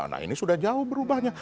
nah ini sudah jauh berubahnya